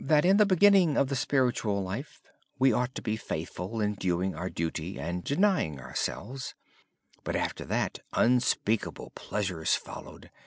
In the beginning of the spiritual life we ought to be faithful in doing our duty and denying ourselves and then, after a time, unspeakable pleasures followed.